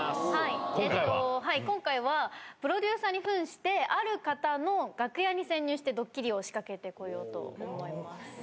今回はプロデューサーにふんして、ある方の楽屋に潜入してドッキリを仕掛けてこようと思います。